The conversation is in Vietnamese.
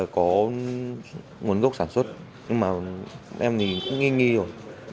có nguồn gốc sản xuất nhưng mà em thì cũng nghi nghi rồi